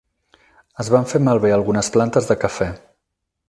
Es van fer malbé algunes plantes de cafè.